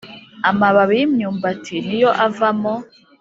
amababi y’imyumbati ni yo avamo